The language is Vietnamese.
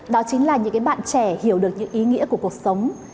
đó chính là những bạn trẻ hiểu được những ý nghĩa của cuộc sống